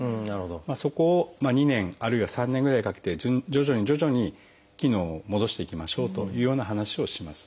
そこを２年あるいは３年ぐらいかけて徐々に徐々に機能を戻していきましょうというような話をします。